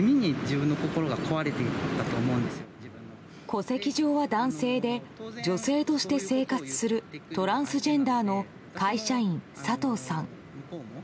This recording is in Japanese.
戸籍上は男性で女性として生活するトランスジェンダーの会社員佐藤さん。